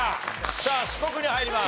さあ四国に入ります。